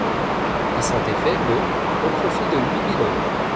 Il s'en défait le au profit de Louis Milon.